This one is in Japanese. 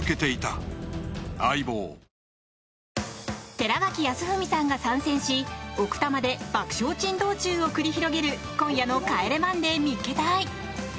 寺脇康文さんが参戦し奥多摩で爆笑珍道中を繰り広げる今夜の「帰れマンデー見っけ隊！！」。